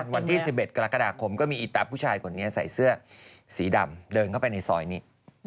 วันที่๑๑กรกฎาคมก็มีอีตาผู้ชายคนนี้ใส่เสื้อสีดำเดินเข้าไปในซอยนี้